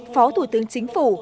phó thủ tướng chính phủ